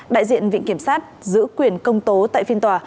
đại diện viện kiểm sát giữ quyền công tố tại phiên tòa